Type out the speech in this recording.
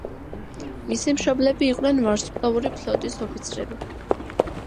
მისი მშობლები იყვნენ ვარსკვლავური ფლოტის ოფიცრები.